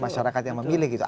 masyarakat yang memilih gitu